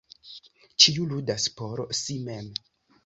Ĉiu ludas por si mem.